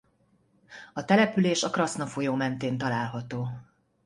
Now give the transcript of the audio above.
A település a Kraszna folyó mentén található.